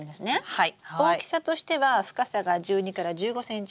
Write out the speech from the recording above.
はい。